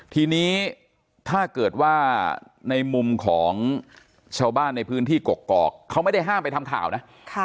ทีนี้ถ้าเกิดว่าในมุมของชาวบ้านในพื้นที่กกอกเขาไม่ได้ห้ามไปทำข่าวนะ